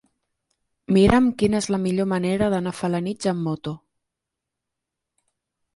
Mira'm quina és la millor manera d'anar a Felanitx amb moto.